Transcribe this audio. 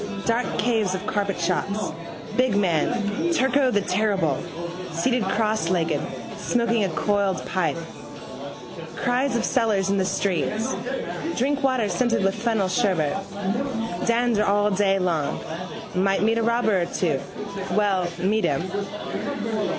Dark caves of carpet shops, big man, Turko the terrible, seated crosslegged, smoking a coiled pipe. Cries of sellers in the streets. Drink water scented with fennel, sherbet. Dander along all day. Might meet a robber or two. Well, meet him.